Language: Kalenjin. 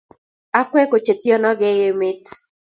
Akwek ko chetienokei emet